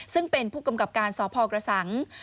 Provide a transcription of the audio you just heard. ซึ่งเป็นผู้กำกับการสพกระสัง